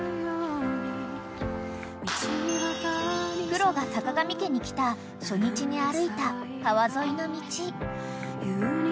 ［クロが坂上家に来た初日に歩いた川沿いの道］